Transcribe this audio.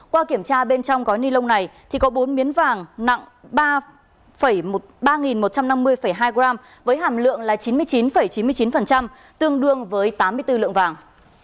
qua kiểm tra bên trong gói ni lông này thì có bốn miếng vàng nặng ba một trăm năm mươi hai g với hàm lượng là chín mươi chín chín mươi chín tương đương với tám mươi bốn lượng vàng